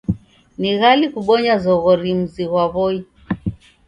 Ni gali kubonya zoghori mzi ghwa W'oi.